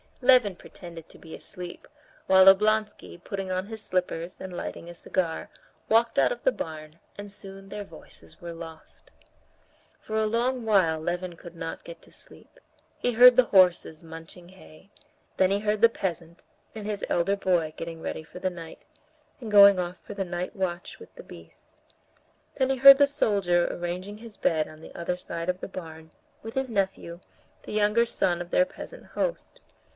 Levin pretended to be asleep, while Oblonsky, putting on his slippers, and lighting a cigar, walked out of the barn, and soon their voices were lost. For a long while Levin could not get to sleep. He heard the horses munching hay, then he heard the peasant and his elder boy getting ready for the night, and going off for the night watch with the beasts, then he heard the soldier arranging his bed on the other side of the barn, with his nephew, the younger son of their peasant host.